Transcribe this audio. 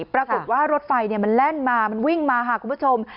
ปรากฏว่ารถไฟมันแล่นมามันวิ่งมาค่ะคุณผู้ชม